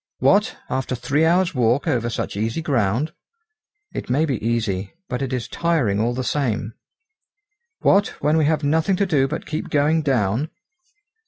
"What! after three hours' walk over such easy ground." "It may be easy, but it is tiring all the same." "What, when we have nothing to do but keep going down!"